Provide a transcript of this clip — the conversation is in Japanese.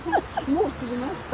もう過ぎました。